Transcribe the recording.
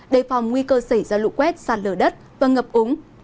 đề phòng nguy cơ xảy ra lũ quét sạt lở đất và ngập úng